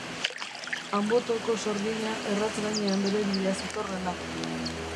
Anbotoko sorgina erratz gainean bere bila zetorrela.